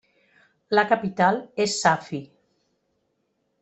La capital és Safi.